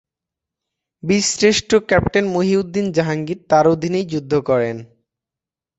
বীরশ্রেষ্ঠ ক্যাপ্টেন মহিউদ্দীন জাহাঙ্গীর তার অধীনেই যুদ্ধ করেন।